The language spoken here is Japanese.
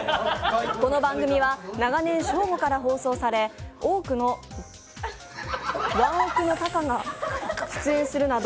この番組は長年正午から放送され多くのワンオクのＴＡＫＡが出演するなど